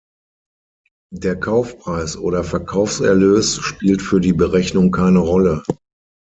Der Kaufpreis oder Verkaufserlös spielt für die Berechnung keine Rolle.